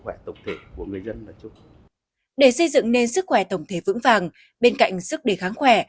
khỏe tổng thể của người dân để xây dựng nên sức khỏe tổng thể vững vàng bên cạnh sức đề kháng